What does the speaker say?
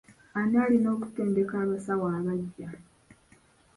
Ani alina okutendeka abasawo abaggya?